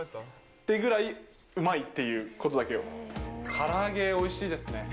ってぐらいうまいっていうことだけを。から揚げ、おいしいですね。